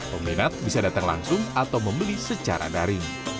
peminat bisa datang langsung atau membeli secara daring